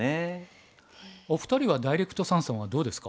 お二人はダイレクト三々はどうですか？